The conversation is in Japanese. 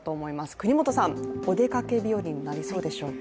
國本さん、お出かけ日和になりそうでしょうか。